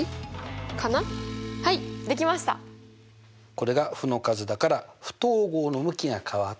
これが負の数だから不等号の向きが変わって。